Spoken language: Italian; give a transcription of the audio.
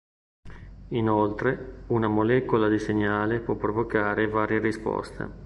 Inoltre, una molecola di segnale può provocare varie risposte.